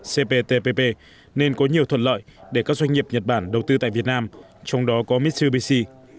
cptpp nên có nhiều thuận lợi để các doanh nghiệp nhật bản đầu tư tại việt nam trong đó có mitsubishi